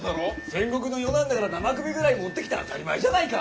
戦国の世なんだから生首ぐらい持ってきて当たり前じゃないか。